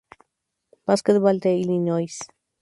Basketball de Illinois.